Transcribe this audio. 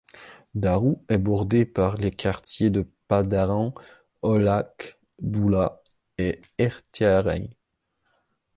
Darrous est bordé par les quartiers de Pasdaran, Gholhak, Doulat, et Ekhtiyarieh.